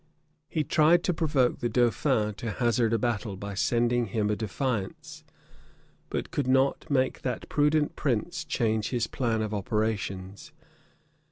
He tried to provoke the dauphin to hazard a battle, by sending him a defiance; but could not make that prudent prince change his plan of operations.